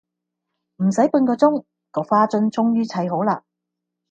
唔駛半個鐘個花樽終於砌好啦